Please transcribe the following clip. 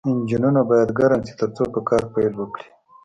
انجنونه باید ګرم شي ترڅو په کار پیل وکړي